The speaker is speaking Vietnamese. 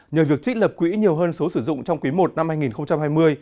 nhờ việc trích lập quỹ nhiều hơn số sử dụng trong quý i năm hai nghìn hai mươi